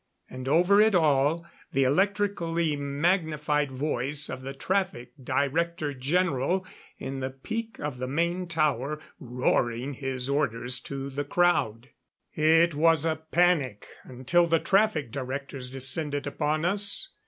And over it all, the electrically magnified voice of the traffic director general in the peak of the main tower roaring his orders to the crowd. It was a panic until the traffic directors descended upon us.